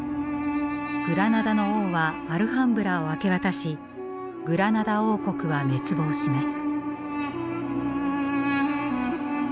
グラナダの王はアルハンブラを明け渡しグラナダ王国は滅亡します。